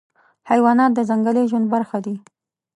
حیوانات د ځنګلي ژوند برخه دي.